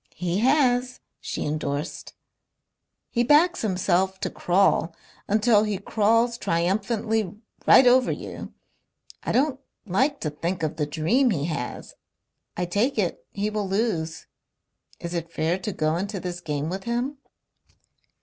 "He has," she endorsed. "He backs himself to crawl until he crawls triumphantly right over you.... I don't like to think of the dream he has.... I take it he will lose. Is it fair to go into this game with him?"